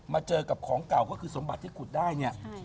เจอกับของเก่าก็คือสมบัติที่ขุดได้เนี่ย